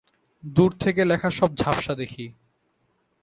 দূর থেকে লেখা সব ঝাপ্সা দেখি।